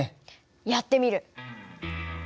やってみる。